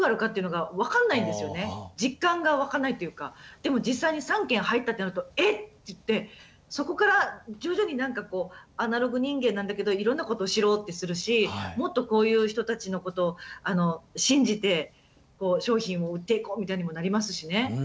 でも実際に３件入ったってなると「えっ！？」て言ってそこから徐々に何かこうアナログ人間なんだけどいろんなこと知ろうってするしもっとこういう人たちのことを信じて商品を売っていこうみたいにもなりますしね。